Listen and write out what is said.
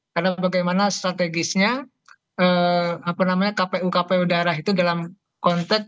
karena bagaimana strategisnya kpu kpu daerah itu dalam konteks